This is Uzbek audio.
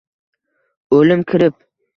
Oʻlim kirib